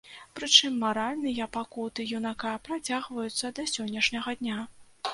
Прычым маральныя пакуты юнака працягваюцца да сённяшняга дня.